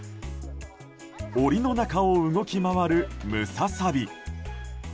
檻の中を動き回るムササビ。